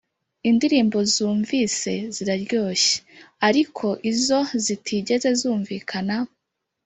indirimbo zunvise ziraryoshye, ariko izo zitigeze zumvikana